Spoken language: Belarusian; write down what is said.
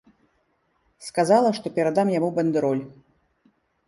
Сказала, што перадам яму бандэроль!